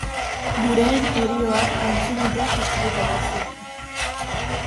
Gureen herioak aitzinetik justifikatuak ziren.